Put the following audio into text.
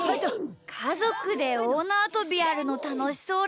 かぞくでおおなわとびやるのたのしそうだな。